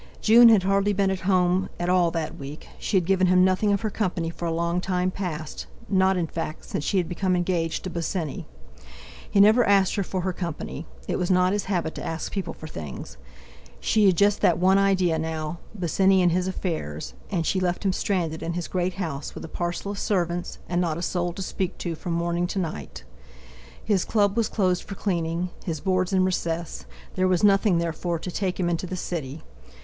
June had hardly been at home at all that week; she had given him nothing of her company for a long time past, not, in fact, since she had become engaged to Bosinney. He never asked her for her company. It was not his habit to ask people for things! She had just that one idea now—Bosinney and his affairs—and she left him stranded in his great house, with a parcel of servants, and not a soul to speak to from morning to night. His Club was closed for cleaning; his Boards in recess; there was nothing, therefore, to take him into the City.